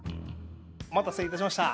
お待たせ致しました。